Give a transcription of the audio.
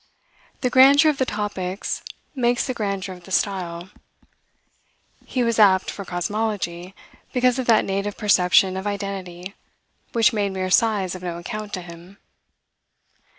The grandeur of the topics makes the grandeur of the style. He was apt for cosmology, because of that native perception of identity which made mere size of no account to him.